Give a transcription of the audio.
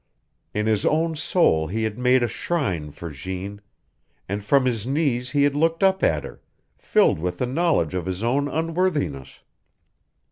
In his own soul he had made a shrine for Jeanne, and from his knees he had looked up at her, filled with the knowledge of his own unworthiness.